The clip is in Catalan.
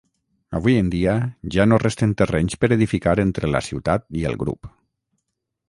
Avui en dia ja no resten terrenys per edificar entre la ciutat i el grup.